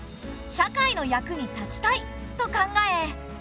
社会の役に立ちたい」と考え